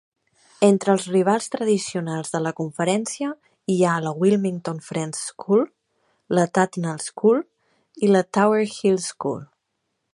Entre els rivals tradicionals de la conferència hi ha la Wilmington Friends School, la Tatnall School i la Tower Hill School.